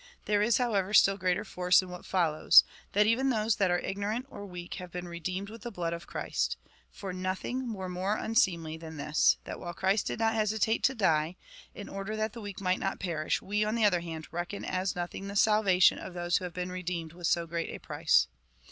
There is, however, still greater force in what follows — that even those that are ignorant or weak have been redeemed with the blood of Christ ; for nothing were more unseemly than this, that while Christ did not hesitate to die, in order that the weak might not perish, we, on the other hand, reckon as nothing the salvation of those who have been redeemed with so great a price.